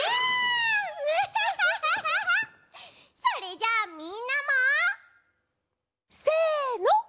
それじゃあみんなも！せの！